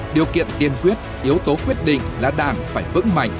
điều kiện tiên quyết yếu tố quyết định là đảng phải vững mạnh